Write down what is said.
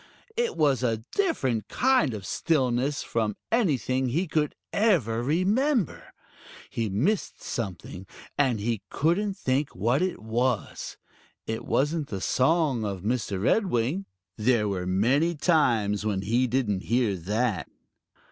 It was a different kind of stillness from anything he could ever remember. He missed something, and he couldn't think what it was. It wasn't the song of Mr. Redwing. There were many times when he didn't hear that.